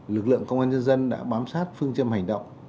lực lượng công an nhân dân đã bám sát phương châm hành động